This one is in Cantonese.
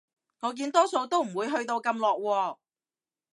我見多數都唔會去到咁落喎